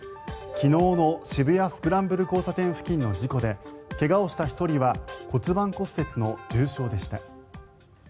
昨日の渋谷・スクランブル交差点付近の事故で怪我をした１人は骨盤骨折の重傷でした。